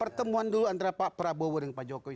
pertemuan dulu antara pak prabowo dengan pak jokowi